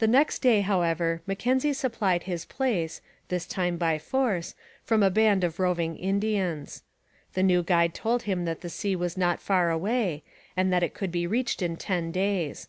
The next day, however, Mackenzie supplied his place, this time by force, from a band of roving Indians. The new guide told him that the sea was not far away, and that it could be reached in ten days.